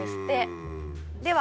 では